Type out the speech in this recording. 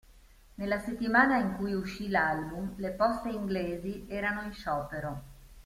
Nella settimana in cui uscì l'album, le poste inglesi erano in sciopero.